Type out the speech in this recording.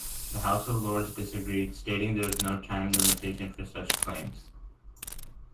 The House of Lords disagreed, stating there was no time limitation for such claims.